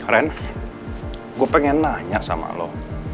ren gue pengen nanya sama lo